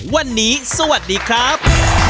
วันนี้สวัสดีครับ